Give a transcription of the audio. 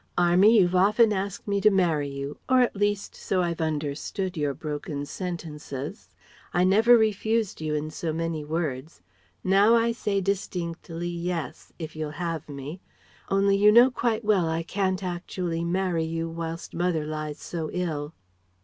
Army! You've often asked me to marry you or at least so I've understood your broken sentences. I never refused you in so many words. Now I say distinctly 'Yes' if you'll have me. Only, you know quite well I can't actually marry you whilst mother lies so ill..."